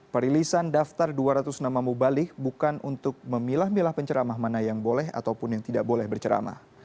perilisan daftar dua ratus nama mubalik bukan untuk memilah milah penceramah mana yang boleh ataupun yang tidak boleh berceramah